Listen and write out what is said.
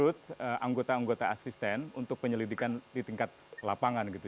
ya jadi kita harus mencari anggota anggota asisten untuk penyelidikan di tingkat lapangan gitu